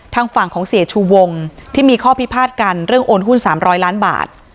ทางฝั่งของเสียชูวงที่มีข้อพิพาทกันเรื่องโอนหุ้น๓๐๐ล้านบาท